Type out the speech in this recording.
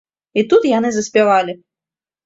І тут яны заспявалі.